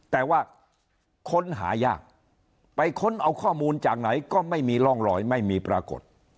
แต่ว่าค้นหายากไปค้นเอาข้อมูลจากไหนก็ไม่มีร่องรอยไม่มีปรากฏ